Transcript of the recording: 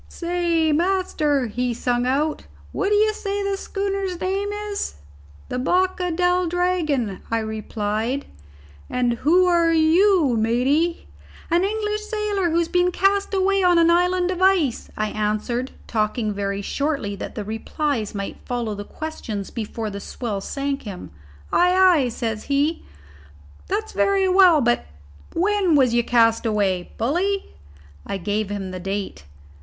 "Say, master," he sung out, "what d'ye say the schooner's name is?" "The Boca del Dragon," I replied. "And who are you, matey?" "An English sailor who has been cast away on an island of ice," I answered, talking very shortly that the replies might follow the questions before the swell sank him. "Ay, ay," says he, "that's very well; but when was you cast away, bully?" I gave him the date.